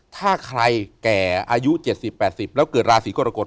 ถ้าใครแก่อายุ๗๐๘๐แล้วเกิดราศีกรกฎ